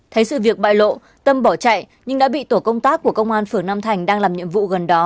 thấy sự việc bại lộ tâm bỏ chạy nhưng đã bị tổ công tác của công an phường nam thành đang làm nhiệm vụ gần đó